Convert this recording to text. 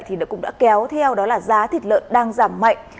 thì cũng đã kéo theo đó là giá thịt lợn đang giảm mạnh